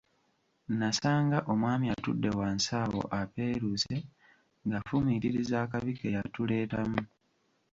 Nasanga omwami atudde wansi awo apeeruuse ng'afumiitiriza akabi ke yatuleetamu!